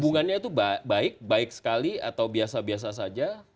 hubungannya itu baik baik sekali atau biasa biasa saja